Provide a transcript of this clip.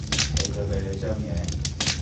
睇佢畀你張嘢